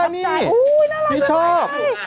นี่พี่ชอบ